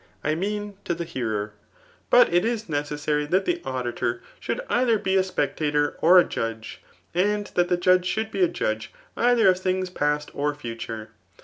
mean to the hearer. But it is necessary that the auditor should either be a spectator or a judge ; and that the judge should be a judge either of things past or future.